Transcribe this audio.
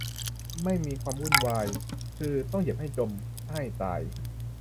ไม่มีความวุ่นวาย คือต้องเหยียบให้จม ฆ่าให้ตาย